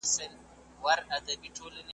دوه او درې ځله یې دا خبره کړله ,